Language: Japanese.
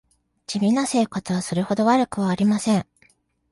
地味な生活はそれほど悪くはありません